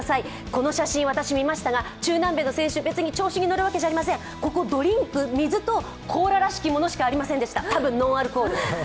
この写真、私、見ましたが中南米の選手、別に調子に乗るわけじゃありません、ドリンク、水とコーラぐらいしかありませんでした。